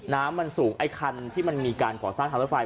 น้ำมันสูงไอ้คันที่มันมีการก่อสร้างทางรถไฟ